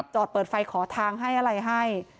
จอดเปิดไฟขอทางให้อะไรให้